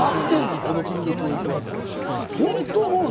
この国の教育はって本当思うね。